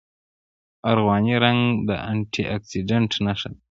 ارغواني رنګ د انټي اکسیډنټ نښه ده.